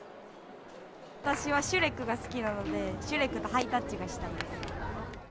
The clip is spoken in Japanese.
私はシュレックが好きなので、シュレックとハイタッチがしたいです。